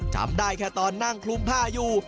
จำได้แค่ตอนนั่งคลุมผ้าอยู่